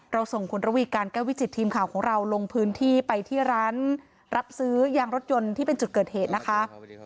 ส่งคุณระวีการแก้ววิจิตทีมข่าวของเราลงพื้นที่ไปที่ร้านรับซื้อยางรถยนต์ที่เป็นจุดเกิดเหตุนะคะ